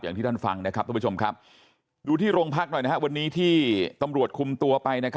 อย่างที่ท่านฟังดูที่โรงพักษณ์วันนี้ที่ตำรวจคุมตัว